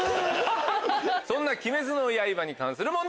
そんな『鬼滅の刃』に関する問題